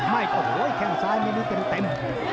ไม่โอ้โหแข่งซ้ายเมนูเก็บเต็ม